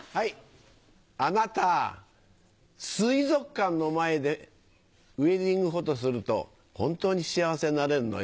あなた水族館の前でウエディングフォトすると本当に幸せになれるのよ。